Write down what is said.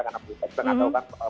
karena pelitanya tidak tahu kan